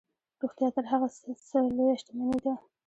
روغتیا تر هر څه لویه شتمني ده.